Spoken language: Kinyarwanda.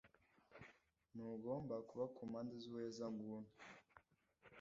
Ntugomba kuba ku mpande zubuhezanguni